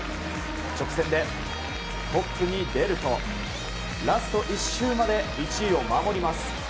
直線でトップに出るとラスト１周まで１位を守ります。